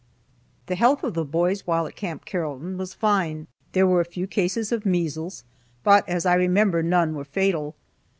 The health of the boys while at Camp Carrollton was fine. There were a few cases of measles, but as I remember, none were fatal.